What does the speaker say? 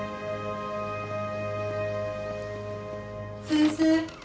先生。